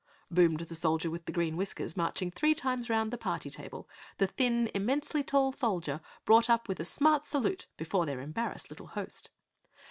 boomed the Soldier with Green Whiskers. Marching three times round the party table the thin, immensely tall soldier brought up with a smart salute before their embarrassed little host.